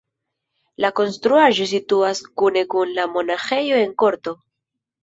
La konstruaĵo situas kune kun la monaĥejo en korto.